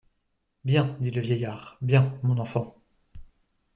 Bien ! dit le vieillard, bien, mon enfant.